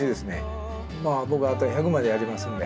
まあ僕はあと１００までやりますんで。